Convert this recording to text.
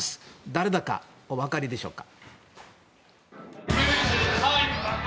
誰だかお分かりでしょうか。